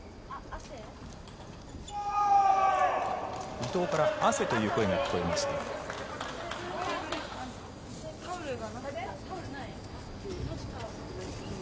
伊藤から汗という声が聞こえましたが。